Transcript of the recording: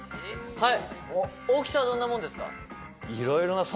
はい！